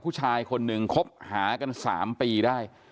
ผู้ชายคนหนึ่งคบหากัน๓ปีได้